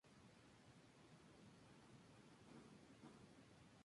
Un día, encuentran cartuchos vacíos en un descampado utilizado para entrenamiento militar.